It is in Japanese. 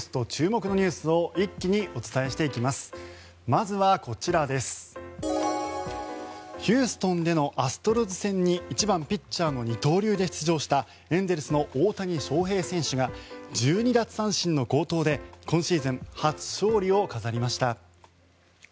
ヒューストンでのアストロズ戦に１番ピッチャーの二刀流で出場したエンゼルスの大谷翔平選手が１２奪三振の好投で今シーズン初勝利を飾りました。